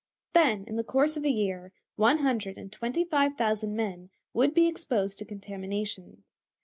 Then, in the course of a year, one hundred and twenty five thousand men would be exposed to contamination.